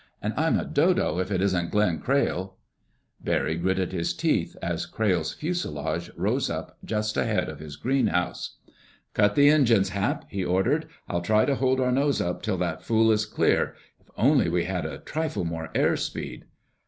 and I'm a dodo if it isn't Glenn Crayle!" Barry gritted his teeth as Crayle's fuselage rose up just ahead of his greenhouse. "Cut the engines, Hap!" he ordered. "I'll try to hold our nose up till that fool is clear. If only we had a trifle more airspeed...."